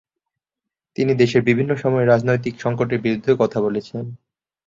তিনি দেশের বিভিন্ন সময়ের রাজনৈতিক সংকটের বিরুদ্ধেও কথা বলেছেন।